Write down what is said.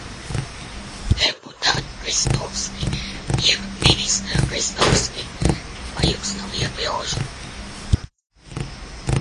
Deputāt Kristovski jeb ministr Kristovski, vai jums nav iebilžu?